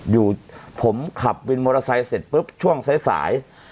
อยู่ผมขับมอร์ไทยเสร็จปุ๊บช่วงสายสาย